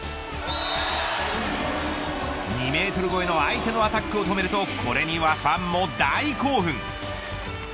２メートル超えの相手のアタックを止めるとこれにはファンも大興奮。